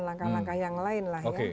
langkah langkah yang lain